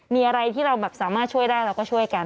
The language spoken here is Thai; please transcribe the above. มีอะไรที่เราแบบสามารถช่วยได้เราก็ช่วยกัน